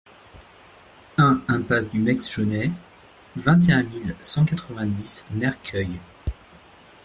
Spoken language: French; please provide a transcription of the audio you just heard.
un impasse du Meix Jauney, vingt et un mille cent quatre-vingt-dix Merceuil